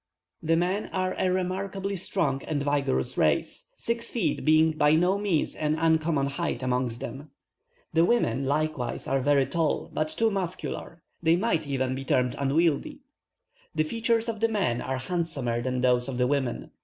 The men are a remarkably strong and vigorous race, six feet being by no means an uncommon height amongst them. The women, likewise, are very tall, but too muscular they might even be termed unwieldy. The features of the men are handsomer than those of the women.